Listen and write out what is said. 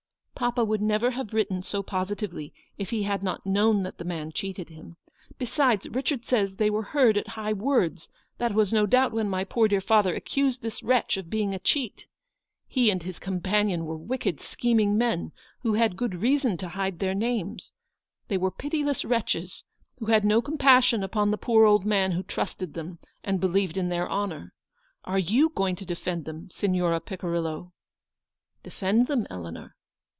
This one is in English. " Papa would never have written so positively, if he had not known that the man cheated him. Besides, Ptichard says they were heard at high words; that was no doubt when my poor dear father accused this wretch of being a cheat. He and his companion were wicked, scheming men, who had good reason to hide their names. They were pitiless wretches, who had no compassion upon the poor old man who trusted them and believed in their honour. Are you going to defend them, Signora Picirillo ?"" Defend them, Eleanor